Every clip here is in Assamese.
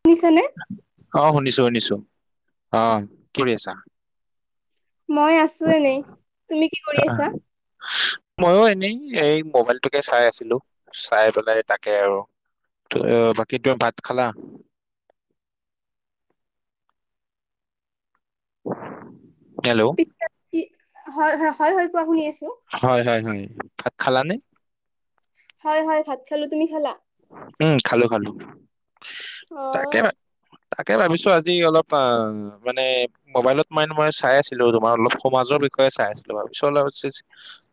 শুনিছেনে। অ শুনিছো শুনিছো, অ কি কৰি আছা। মই আছো এনে তুমি কি কৰি আহ, আছা। ময়ো এনেই এই মোবাইলটোকে চাই আছিলো। চাই পেলাই তাকে আৰু, বাকীটো ভাত খালা। হেল্ল' হয়-হয়-হয়-হয় কোৱা শুনি আছো। হয় হয় ভাত খালা নে, হয় হয় ভাত খালো, তুমি খালা, উম, খালো-খালো, অ তাকে তাকে ভাবিছো আজি অলপ অ মানে মোবাইলত মানে মই চাই আছিলো। তোমাৰ অলপ সমাজৰ চাই আছিলোৰ পিছত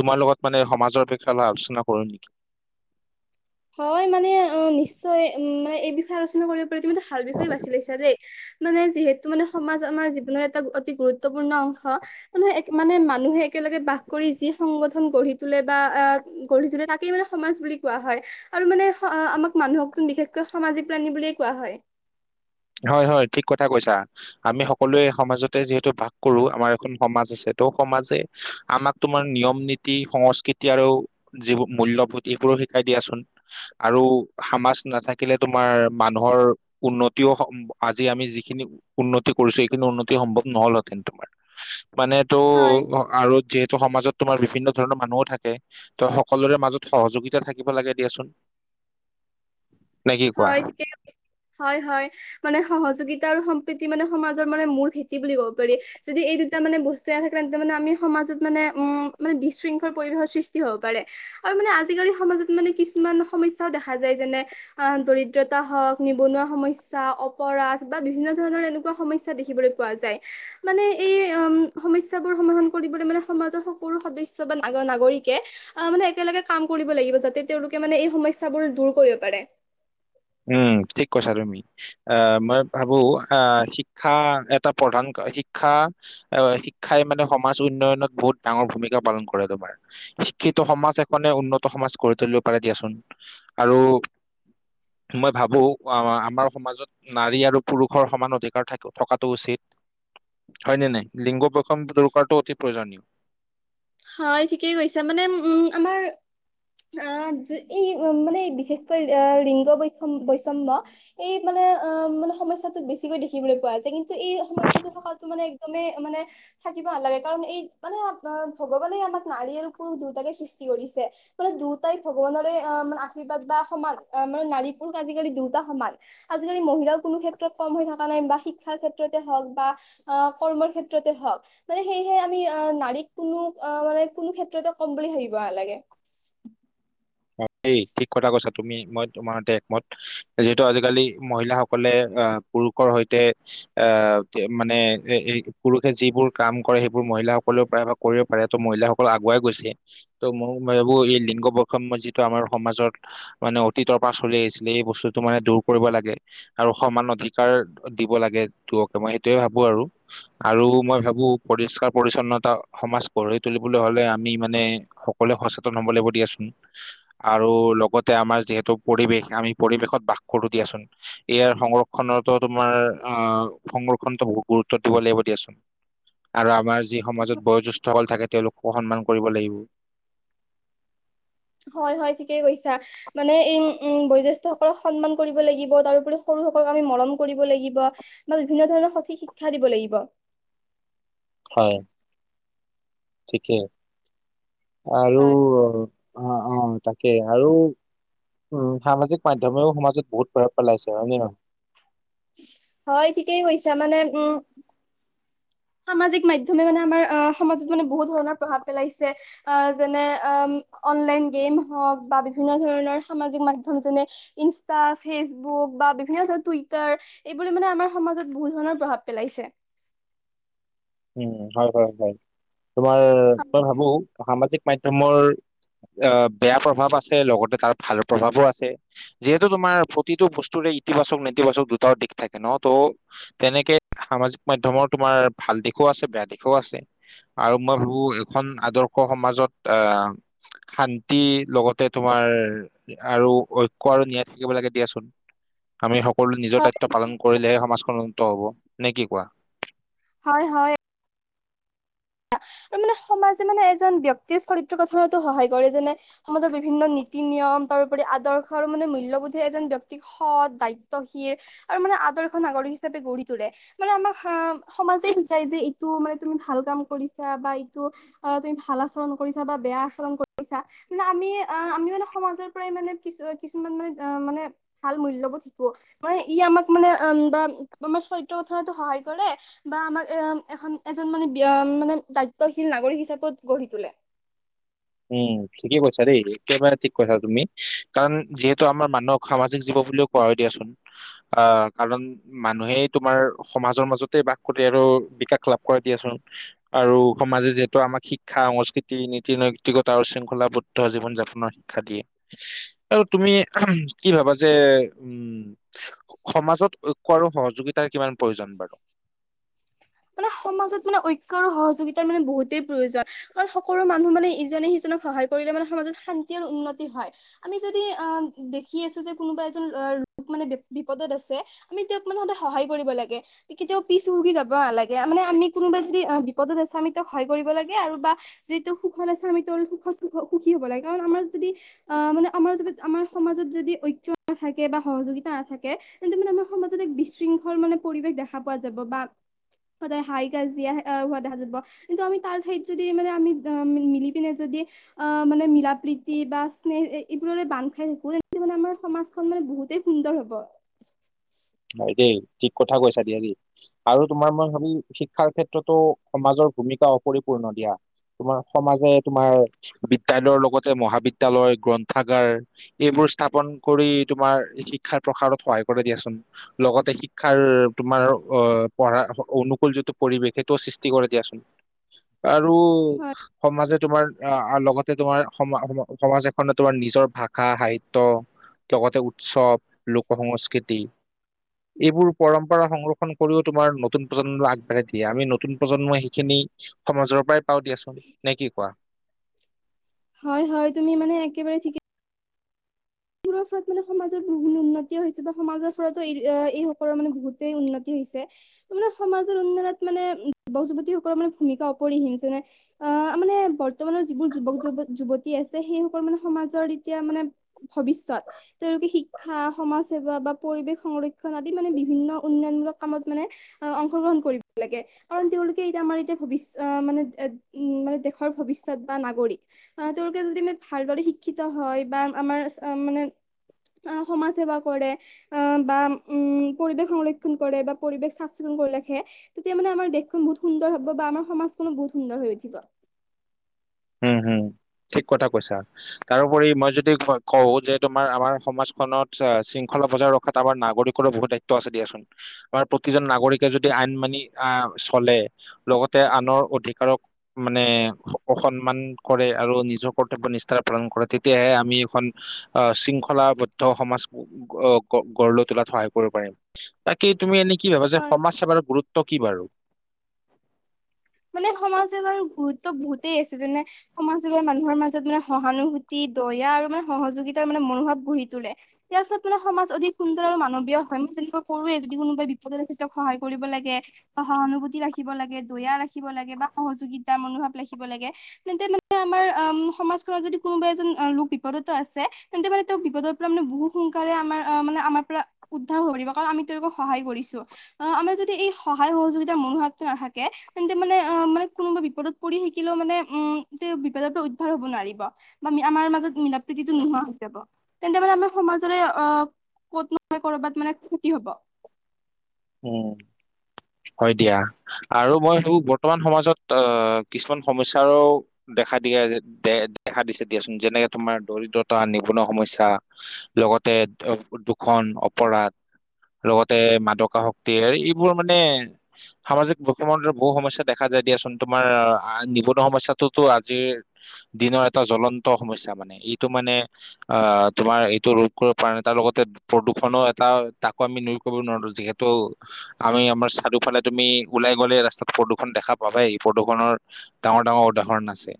তোমাৰ লগত মানে সমাজৰ বিষয়ে অলপ আলোচনা কৰো নেকি? অ [unintelligible] হয় মানে অ' নিশ্চয় উ মানে এই বিষয়ে আলোচনা কৰিব। প্ৰতি তমো ভাল বিষয়ে বাছি লৈছা দেই। মানে যিহেতু মানে সমাজ আমাৰ জীৱনৰ এটা অতি গুৰুত্বপূৰ্ণ অংশ। মানে মানুহে এক একে বাস কৰি যি সংগঠন গঢ়ি তোলে বা আহ গঢ়ি তোলে তাকেই মানে সমাজ বুলি কোৱা হয়। আৰু মানে আমাক মানুহকোন বিশেষকৈ সামাজিক প্ৰাণী বুলিয়ে কোৱা হয়। হয়-হয় ঠিক কথা কৈছা আমি সকলোৱে সমাজতে যিহেতু ভাগ কৰো। আমাৰ এখন সমাজ আছে। টো সমাজে আমাক তোমাৰ নিয়ম নীতি সংস্কৃতি আৰু যিবোৰ মূল্যবোধ এইবোৰ, মোকো শিকাই দিয়া চোন আৰু সামাজ নাথাকিলে তোমাৰ মানুহৰ উন আজি আমি যিখিনি উন্নতি কৰিছো সেইখিনি উন্নতি সম্ভৱ নহলহেঁতেন তোমাৰ। মানে টো হয় আৰু যে ত সমাজত তোমাৰ বিভিন্ন ধৰণৰ মানুহো থাকে। তই সকলোৰে মাজত সহযোগিতা থাকিব লাগে দিয়াচোন। উ হয় ঠিকে হয় হয় মানে সহযোগিতা আৰু সম্প্ৰীতি মানে সমাজৰ মানে মূল ভেটি বুলি ক'ব পাৰি যদি এই দুটা মানে বস্তু থাকে। তাৰ মানে আমি সমাজত মানে উ মানে বিশৃংখল পৰিৱেশৰ সৃষ্টি হ'ব পাৰে আৰু মানে আজিকালি সমাজত মানে কিছুমান সমস্যাও দেখা যায় যেনে অ দৰিদ্ৰতা হওক নিবনুৱা সমস্যা অপৰাধ বা বিভিন্ন ধৰণৰ এনেকুৱা সমস্যা দেখিবলৈ পোৱা যায় মানে এই উম সমস্যা বোৰ সমাধান কৰিবলৈ মানে সমাজৰ সকলো সদস্য বা নাগৰিক নাগৰিকে আহ মানে একেলগে কাম কৰিব লাগিব যাতে তেওঁলোকে মানে এই সমস্যাবোৰ দূৰ কৰিব পাৰে উম ঠিক কৈছা তুমি আহ মই ভাবো অ' শিক্ষা এটা প্ৰধান শিক্ষা শিক্ষাই মানে সমাজ উন্নয়নত বহুত ডাঙৰ ভূমিকা পালন কৰে তোমাৰ শিক্ষিত সমাজ এখনে উন্নত সমাজ গঢ়ি তুলিব পাৰে দিয়াচোন আৰু মই ভাবোঁ আমাৰ সমাজত নাৰী আৰু পুৰুষৰ সমান অধিকাৰ থকাটো উচিত হয়নে নাই লিংগ বৈষম দকাটো অতি প্ৰয়োজনীয় হয় ঠিকেই কৈছা মানে উম আমাৰ এই মানে বিশেষকৈ লিংগ বৈষম বৈষম্য় এই মানে মানে সমস্যাটো বেছিকৈ দেখিবলৈ পোৱা যায় কিন্তু এই সমস্য়াটো থকাতটো মানে একদমেই মানে থাকিব নালাগে কাৰণ এই মানে ভগৱানে আমাক নাৰী আৰু পুৰুষ দুয়টাকে সৃষ্টি কৰিছে মানে দুয়টাই ভগৱানৰে মানে আশীৰ্বাদ বা সমান অ মানে নাৰী পুৰুষ আজিকালি দুয়োটা সমান আজিকালি মহিলাও কোনো ক্ষেত্ৰত কম হৈ থকা নাই বা শিকা শিক্ষাৰ ক্ষেত্ৰতে হওক বা অ কৰ্মৰ ক্ষেত্ৰতে হওক মানে সেয়েহে আমি নাৰীক কোনো অ' মানে কোনো ক্ষেত্ৰতে ক'ম বুলি ভাবিব নালাগে অ' সেই ঠিক কথা কৈয়ছা তুমি মই তোমাৰতে একমত যিহেতু আজিকালি মহিলাাসকলে আহ পুৰুষৰ সৈতে অহ মানে পুৰুষে যিবোৰ কাম কৰে সেইবোৰ মহিলাাসকলেও পাৰে বা কৰিব পাৰে মহিলাসকল আগুৱাই গৈছে ত মই ভাবো ই লিংগ বৈষম যিটো আমাৰ সমাজত মানে অতীতৰ পৰা চলি আহিছিলে এই বস্তুটো মানে দূৰ কৰিব লাগে আৰু সমান অধিকাৰ দিব লাগে ত মই সেইটোয়ে ভাবো আৰু আৰু মই ভাবো পৰিস্কাৰ পৰিচ্ছন্নতা সমাজ গঢ়ি তুলিবলৈ হলে আমি মানে সকলোৱে সচেতন হব লাগিব দিয়াচোন উ [unintelligible] আৰু লগতে আমাৰ যিহেতু পৰিৱেশ আমি পৰিৱেশত বাস কৰো দিয়াচোন ইয়াৰ সংৰক্ষণনৰৰ এতিয়া তোমাৰ আ সংৰক্ষণতো বহুত গুৰুত্ব দিব লাগিব দিয়াচোন আৰু আমাৰ যি সমাজত বয়োজ্যেষ্ঠসকল থাকে তেওঁলোকো সন্মান কৰিব লাগিব হয় হয় ঠিকে কৈছা মানে এই উম বয়োজ্যেষ্ঠ সকলক সন্মান কৰিব লাগিব তাৰোপৰি সৰু সিহতক আমি মৰম কৰিব লাগিব বা বিভিন্ন ধৰণৰ সঠিক শিক্ষা দিব লাগিব হয় ঠিকেই আৰু হয় অ', অ' তাকেই আৰু উম সামাজিক মাধমেও সমাজত বহুত প্ৰভাৱ পেলাইছে হয় নে নহয় হয় ঠিকেই হৈছে মানে উম সামাজিক মাধমে মানে আমাৰ অ সমাজত মানে বহুত ধৰণৰ প্ৰভাৱ পেলাইছে অ' যেনে অ' অনলাইন গেম হক বা বিভিন্ন ধৰণৰ সামাজিক মাধ্যম যেনে ইনস্টা ফেচবুক বা বিভিন্ন ধৰ টুইটাৰ এইবোৰে মানে আমাৰ সমাজত বহুত ধৰণৰ প্ৰভাৱ পেলাইছে [inaudible] উম হয় হয় হয় তোমাৰ মই ভাবো সামাজিক মাধ্যমৰ অ বেয়া প্ৰভাৱ আছে লগতে তাৰ ভাল প্ৰভাৱো আছে যিহেতু তোমাৰ প্ৰতিটো বস্তুৰ ইতিবাচক নেতিবাচক দুটাৰ দিশ থাকে ন ত' তেনেকে সামাজিক মাধ্যমৰ তোমাৰ ভাল দিশ ও আছে বেয়া দিশেও আছে আৰু মই ভাবো এখন আদৰ্শ সমাজত অ' শান্তি লগতে তোমাৰ আৰু ঐক্য আৰু নিয়া থাকিব লাগে দিয়াচোন আমি সকলো নিজৰ হয় দায়িত্ব পালন কৰিলেহে সমাজখন উন্নত হব নে কি কোৱা হয় হয় আৰু মানে সমাজে মানে এজন ব্যক্তিৰ চৰিত্ৰ গঠনতো সহায় কৰে যেনে সমাজৰ বিভিন্ন নীতি নিয়ম তাৰপৰা আদৰ্শ মানে মলবোধে এ ব্যক্ত সৎ দায়িত্বশী আৰু মানে আদৰ্শ নাগৰিক হিচাপে গঢ় তোলে মানে আমাক সমাজে শিকাই যে এইটো মানে তুমি ভাল কাম কৰি বা এইটো অ তুমি ভাল আচৰণ কৰিছা বা বেয়া আচৰণ কৰিছা মানে আমি অ' আমি মানে সমাজৰ পৰাই মানে কি কিছুমান মানে মানে ভাল মূল্যবস্তু শিকো মানে ই আমাক মানে বা আমাৰ চৰিত্ৰ গথনতো সহায় কৰে বা আমাক এ এজন মানে - মানে দায়িত্বশীল নাগৰিক হিচাপেও গঢ়ি তোলে। উম ঠিকেই কৈছা দেই একেবাৰে ঠিক কৈছা তুমি কাৰণ যিহেতু আমাৰ মানুহক সামাজিক জীৱ বুলি হো কয় দিয়াচোন আহ কাৰণ মানুহে তোমাৰ সমাজৰ মাজতে বাস কৰি আৰু বিকাশ লাভ কৰা দিয়াচোন আৰু সমাজে যিহেতু আমাক শিক্ষা সংস্কৃতি নীতি নি নৈতিকতা আৰু শৃংখলা বুদ্ধ জীৱন যাপনৰ শিক্ষা দিয়ে আৰু তুমি কি ভাবা যে হয় উম সমাজত ঐক্য আৰু সহযোগিতাৰ কিমান প্ৰয়োজন বাৰু [unintelligible] মানে সমাজত মানে ঐক্য আৰু সহযোগিতাৰ মানে বহুতেই প্ৰয়োজন কাৰণ সকলো মানুহ মানে ইজনে সিজন সহায় কৰিলে মানে সমাজত শান্তি আৰু উন্নতি হয় আমি যদি আ দেখি আছোঁ যে কোনোবাই এজন মানে বি বিপদত আছে আমি তেওঁক মানে সহায় কৰিব লাগে কেতিয়াও পিছ সুৰোকি যাব নালাগে দিয়া মানে আমি কোনোবা যদি বিপদত আছে আমি তেওঁক সহায় কৰিব লাগে আৰু বা যিটো সুখ আছে আমি তেওৰ সুখ অ সুখ সুখী হ'ব লাগে কাৰণ আমাৰ যদি আহ মানে আমাৰ যদি আমাৰ সমাজত যদি ঐক্যতা থাকে বা সহযোগিতা নাথাকে তেন্তে মানে আমাৰ সমাজত এক বিশৃংখল মানে পৰিৱেশ দেখা পোৱা যাব বা [unintelligible] সদায় হাই কাজ এ হোৱা দেখা যাব কিন্তু আমি তাৰ ঠাইত যদি মানে আমি মি মিলি পিনে যদি অ মানে মিলা প্ৰিতি বা স্নেহ এইবোৰৰে বান্ধ খাই থাকো আমাৰ সমাজখন মানে বহুতেই সুন্দৰ হব হয় দেই ঠিক কথা কৈছা দিয়া দেই আৰু তোমাৰ মই ভাবি শিক্ষাৰ ক্ষেত্ৰতো সমাজত ভূমিকা অপৰিপূৰ্ণ দিয়া তোমাৰ সমাজে তোমাৰ বিদ্যালয়ৰ লগতে মহাবিদ্যালয় গ্ৰন্থাগাৰ এইবোৰ স্থাপন কৰি তোমাৰ শিক্ষাৰ প্ৰসাৰত সহায় কৰে দিয়াচোন লগতে শিক্ষাৰ তোমাৰ অ পঢ়া অনুকূুল যিটো পৰিৱেশ সেইটোও সৃষ্টি কৰে দিয়াচোন আৰু হয় সমাজে তোমাৰ আ আৰু লগতে তোমাৰ সম সমা সমাজ এখনত তোমাৰ নিজৰ ভাষা সাহিত্য লগতে উৎসৱ লোক সংস্কৃতি এইবোৰ পৰম্পৰা সংৰক্ষণ কৰিও তোমাৰ নতুন প্ৰজন্ম আগবাঢ়াই দিয়ে আমি নতুন প্ৰজন্মই সেইখিনি সমাজৰ পৰাই পাও দিয়াচোন নে কি কোৱা হয় হয় তুমি মানে একেবাৰে ঠিকে এইবোৰ ফলত মানে সমাজত বহু উন্নতি হৈছে বা সমাজৰ ফলতো এই এইসকলৰ মানে বহুতেই উন্নতি হৈছে মানে সমাজৰ উন্নয়নত মানে বছ বতি ওপৰত মানে ভুমিকা অপৰিসীম বুইচানে অ মানে বৰ্তমানৰ যিবোৰ যুৱক যুৱতী আছে সেইসকল মানে সমাজত এতিয়া মানে ভৱিষ্যত তেওঁলোকে শিক্ষা সমাজ সেৱা বাত পৰিৱেশ সংৰক্ষণ আদি মানে বিভিন্ন উন্নয়নমূলক কামত মানে অংশগ্ৰহণ কৰিব লাগে কাৰণ তেওঁ তেওঁলোকে এতিয়া আমাৰ এতিয়া ভৱিষ্য মানে মানে দেশৰ ভৱিষ্যত বা নাগৰিক তেওঁলোকে যদি মানে ভালদৰে শিক্ষিত হয় বা আমাৰ মানে আহ, সমাজ সেৱা কৰে আহ, বা উম, পৰিৱেশ সংৰক্ষণ কৰে বা পৰিৱেশ সা চিকু খবৰ লাখে তেতিয়া মানে আমাৰ দেশখন বহুত সুন্দৰ হব বা আমাৰ সমাজখনো বহুত সুন্দৰ হৈ উঠিব হম হম ঠিক কথা কৈছা তাৰোপৰি মই যদি কওঁ যে তোমাৰ আমাৰ সমাজখনত শৃংখল লপ বজাই ৰখাত আমাৰ নাগৰিকৰো বহুত দায়িত্ব আছে দিয়াচোন আমাৰ প্ৰতিজন নাগৰিকে যদি আইন মানি আহ চলে লগতে আনৰ অধিকাৰক মানে সন্মান কৰে আৰু নিজৰ কৰ্তব্য নিষ্ঠাৰে পালন কৰে তেতিয়াহে আমি এখন আহ শৃংখলা বিঅদ্ধ সমাজ গগ গঢ় লৈ তোলাত সহায় কৰিব পাৰিম বাকি তুমি এনে কি ভাবে যে হয় সমাজ সেৱাৰ গুৰুত্ব কি বাৰু [inaudible] মানে সমাজসেৱাৰ গুৰুত্ব বহুতেই আছে যেনে সমাজসেৱাৰ মানুহৰ মাজত মানে সহানুভূতি ই দয়া আৰু মানে সহযোগিতাৰ মানে মনোভাৱ গঢ়ি তোলে ইয়াৰ ফলত মানে সমাজ অধিক সুন্দৰ আৰু মানৱীয় হয় আমি চেল্প কৰোয়ে যদি কোনোবাই বিপদে আছে সহায় কৰিব লাগে বা সহানুভূতি ৰাখে ৰাখিব লাগে দয়া ৰাখিব লাগে বা সহযোগীতা মনোভাব ৰাখিব লাগে তেন্তে মানে আমাৰ উম সমাজ চোৱা যদি কোনোবা এজন অ, লোক বিপদতো আছে তেন্তে মানে তেওঁ বিপদৰ পৰা মানে বহুত সোনকালে আমাৰ অ, মানে আম [unintelligible] উদ্ধাৰ হব পাৰিব কাৰণ আমি তেওঁলোকক সহায় কৰিছো আহ আমাৰ যদি এই সহায় সহযোগিতা মনোহ তে নাথাকে তেন্তে মানে অ, মানে কোনোবা বিপদত পৰি শিকিলেও মানে উম, তেওঁ বিপদৰ পৰা উদ্ধাৰ হ'ব ন পাৰিব বা আমাৰ মাজত মিলা প্ৰতিটো নোহোৱা হৈ যাব তেন্তে মানে আমি সমাজৰে অ, ক'ত নহয় ক'ৰবাত মানে ক্ষতি হ'ব। উম, হয় দিয়া আৰু মই ভাবো বৰ্তমান সমাজত আহ, কিছুমান সমস্যাৰো দেখা দিয়াজে দে দেখা দিছে দিয়াচোন যেনেকে তোমাৰ দৰিদ্ৰতা, নিবনুৱা সমস্যা লগতে দুখন অপৰাধ লগতে মাদক শক্তিয়ে এইবোৰ মানে সামাজিক [unintelligible] বহু সমস্যা দেখা যায় দিয়াচোন তোমাৰ আ আ, নিবনুৱা সমস্যাটোতো আজিৰ দিনৰ এটা জ্বলন্ত সমস্যা মানে এইটো মানে অ, তোমাৰ এইটো ৰোধ কৰিব পাৰা নাই তাৰ লগতে প্ৰদূষণো এটা তাকো আমি নই কৰিব নোৱাৰো যিহেতু ত' আমি আমাৰ চাৰিওফালে তুমি ওলাই গ'লে ৰাস্তাত প্ৰদূষণ দেখা পাব এ প্ৰদূষণৰ ডাঙৰ-ডাঙৰ উদাহৰণ আছে।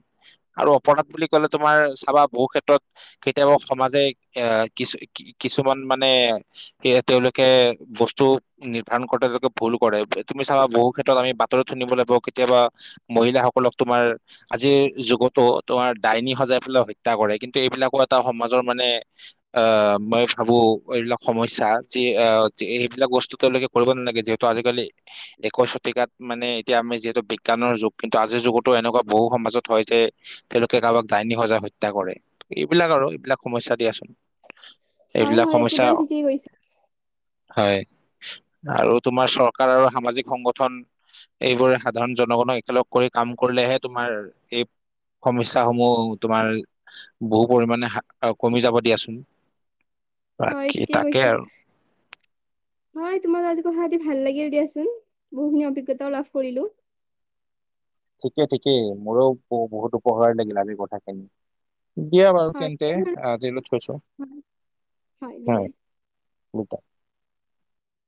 আৰু অপৰাধ বুলি কলে তোমাৰ চাবা বহু ক্ষেত্ৰত কেতিয়াবা সমাজে এ কিছু কিছুমান মানে এ তেওঁলোকে বস্তু নিৰ্ধাৰণ [unintelligible] ভুল কৰে তুমি চাবা বহু ক্ষেত্ৰত আমি বাতৰিত সুনিবলৈ পাওঁ কেতিয়াবা মহিলাসকলক তোমাৰ আজিৰ যুগতো তোমাৰ ডাইনী সজাই পেলাই হত্যা কৰে কিন্তু এইবিলাকো এটা সমাজৰ মানে আহ মই ভাবো এইবিলাক সমস্যা যি এ যি এইবিলাক বস্তু তেওঁলোকে কৰিব নালাগে যিহেতু আজিকালি একৈচ শতিকাত মানে এতিয়া আমি যিহেতু বিজ্ঞানৰ যুগ। কিন্তু আজিৰ যুগতো এনেকুৱা বহু সমাজত হয় যে তেওঁলোকে কাৰোবাক দাইনী সজাই হত্যা কৰে এইবিলাক আৰু এইবিলাক সমস্যা দিয়াচোন। এইবিলাক হয়-হয় সমস্যা একেবাৰে ঠিকেই কইচা। হয় আৰু তোমাৰ চৰকাৰ আৰু সামাজিক সংগঠন। এইবোৰে সাধাৰণ জনগনক একেলগ কৰি কাম কৰিলেহে তোমাৰ এই সমস্যা সমূহ তোমাৰ বহু পৰিমাণে কমি যাব দিয়া চোন। হয় [unintelligible] ঠিকেই তাকে কৈছা আৰু। হয় তোমাৰ লগত আজি কথাাপাতি ভাল লাগিল দিয়াচোন বহুখিনি অভিজ্ঞতাও লাভ কৰিলো। ঠিকেই-ঠিকেই মোৰো বহুত উপহাৰ লাগিল আজিৰ কথাখিনি। দিয়া বাৰু হয় তেন্তে তেনেহলে আজিলত থৈছো হয় হয় বিদায় [unintelligible]